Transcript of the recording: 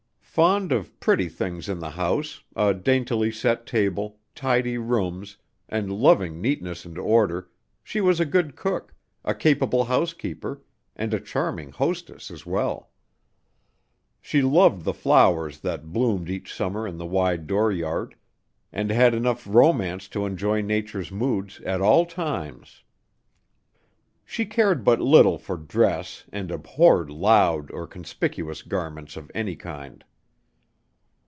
Fond of pretty things in the house, a daintily set table, tidy rooms, and loving neatness and order, she was a good cook, a capable housekeeper and a charming hostess as well. She loved the flowers that bloomed each summer in the wide dooryard, and had enough romance to enjoy nature's moods at all times. She cared but little for dress and abhorred loud or conspicuous garments of any kind.